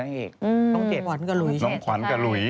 น้องเก็ดควัญกับลุย